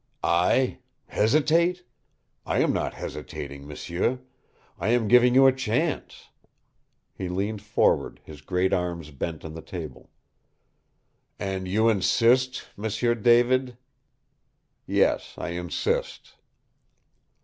"I? Hesitate? I am not hesitating, m'sieu. I am giving you a chance." He leaned forward, his great arms bent on the table. "And you insist, M'sieu David?" "Yes, I insist."